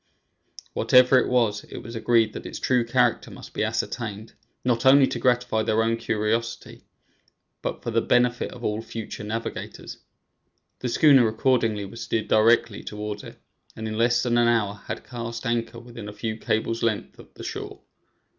Whatever it was, it was agreed that its true character must be ascertained, not only to gratify their own curiosity, but for the benefit of all future navigators. The schooner accordingly was steered directly towards it, and in less than an hour had cast anchor within a few cables' lengths of the shore.